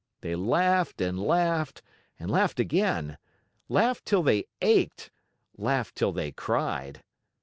They laughed and laughed, and laughed again laughed till they ached laughed till they cried.